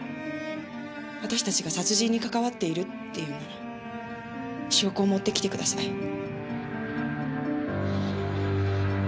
私たちが殺人にかかわっているっていうなら証拠を持ってきてください。